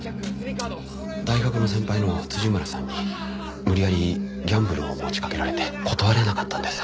大学の先輩の村さんに無理やりギャンブルを持ちかけられて断れなかったんです。